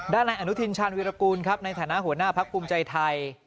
ในอนุทินชาญวิรากูลครับในฐานะหัวหน้าพักภูมิใจไทย